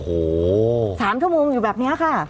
โอ้โห๓ชั่วโมงอยู่แบบนี้ค่ะ